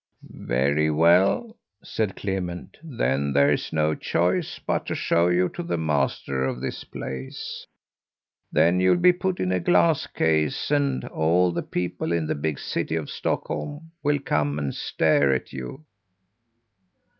"Very well," said Clement, "then there's no choice but to show you to the master of this place. Then you'll be put in a glass case, and all the people in the big city of Stockholm will come and stare at you."